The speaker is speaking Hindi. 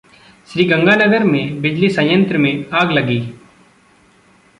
श्रीगंगानगर में बिजली संयंत्र में आग लगी